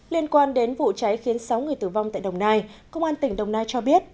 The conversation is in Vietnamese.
liên quan đến vụ cháy khiến sáu người tử vong tại đồng nai công an tỉnh đồng nai cho biết